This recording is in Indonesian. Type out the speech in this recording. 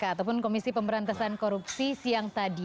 ataupun komisi pemberantasan korupsi siang tadi